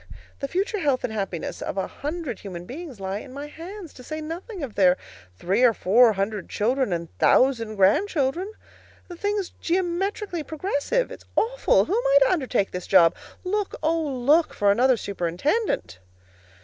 The future health and happiness of a hundred human beings lie in my hands, to say nothing of their three or four hundred children and thousand grandchildren. The thing's geometrically progressive. It's awful. Who am I to undertake this job? Look, oh, look for another superintendent!